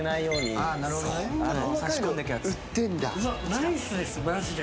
ナイスですマジで。